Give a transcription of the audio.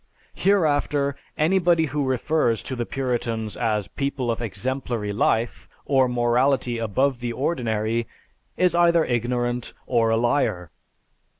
Hereafter, anybody who refers to the Puritans as people of exemplary life, or morality above the ordinary, is either ignorant or a liar.